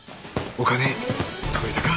お金届いたか。